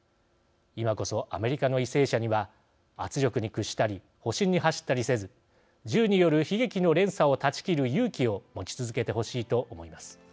今こそ、アメリカの為政者には圧力に屈したり保身に走ったりせず銃による悲劇の連鎖を断ち切る勇気を持ち続けてほしいと思います。